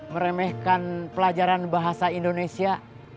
meremehkan pelajaran bahasa indonesia